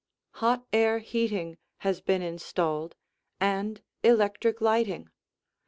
Hot air heating has been installed and electric lighting.